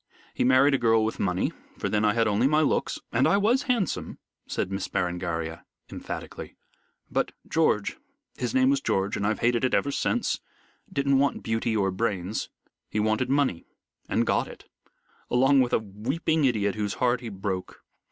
He married a girl with money, for then I had only my looks, and I was handsome," said Miss Berengaria, emphatically; "but George his name was George and I've hated it ever since didn't want beauty or brains. He wanted money, and got it, along with a weeping idiot whose heart he broke.